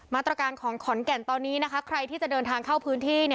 มาตรการของขอนแก่นตอนนี้นะคะใครที่จะเดินทางเข้าพื้นที่